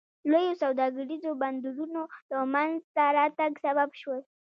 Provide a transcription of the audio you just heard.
لویو سوداګریزو بندرونو د منځته راتګ سبب شول.